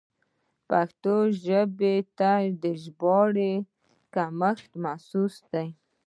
پښتو ژبې ته د ژباړې کمښت محسوس دی.